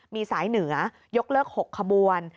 มีสายเหนือยกเลิก๖ขบวน